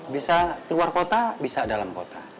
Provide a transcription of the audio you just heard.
bisa keluar kota bisa dalam kota